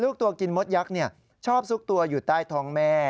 ตัวกินมดยักษ์ชอบซุกตัวอยู่ใต้ท้องแม่